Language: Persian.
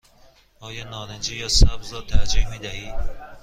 آیا نارنجی یا سبز را ترجیح می دهی؟